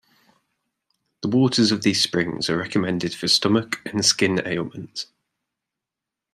The waters of these springs are recommended for stomach and skin ailments.